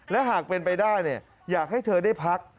และหากเป็นไปได้อยากให้เธอได้พัก